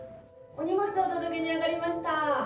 ・お荷物お届けに上がりました！